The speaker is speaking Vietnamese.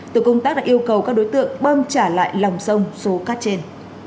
tổ công tác đã yêu cầu các đối tượng bơm trả lại lòng sông số cát trên